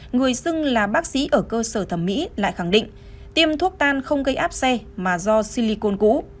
người xưng là bác sĩ ở cơ sở thẩm mỹ lại khẳng định tiêm thuốc tan không gây áp xe mà do silicon cũ